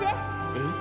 えっ。